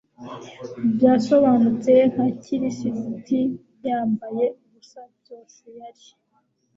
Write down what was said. Byasobanutse nka kirisiti yambaye ubusa byose yari